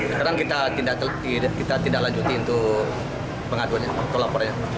sekarang kita tidak lanjuti untuk pengaduannya atau laporannya